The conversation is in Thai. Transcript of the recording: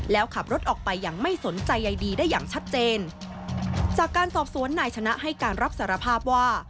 แล้วขับรถออกไปอย่างไม่สนใจใยดีได้อย่างชัดเจนจากการสอบสวนนายชนะให้การรับสารภาพว่า